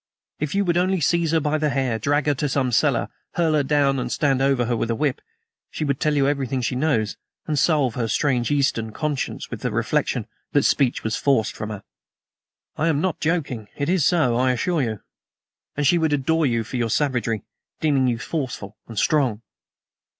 If you would only seize her by the hair, drag her to some cellar, hurl her down and stand over her with a whip, she would tell you everything she knows, and salve her strange Eastern conscience with the reflection that speech was forced from her. I am not joking; it is so, I assure you. And she would adore you for your savagery, deeming you forceful and strong!"